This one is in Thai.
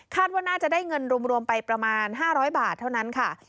ว่าน่าจะได้เงินรวมไปประมาณ๕๐๐บาทเท่านั้นค่ะ